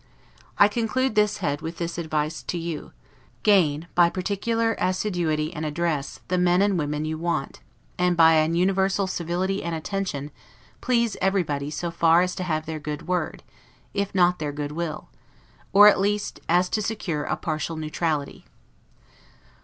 I conclude this head with this advice to you: Gain, by particular assiduity and address, the men and women you want; and, by an universal civility and attention, please everybody so far as to have their good word, if not their goodwill; or, at least, as to secure a partial neutrality.